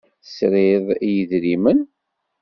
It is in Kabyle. Tesriḍ i yedrimen.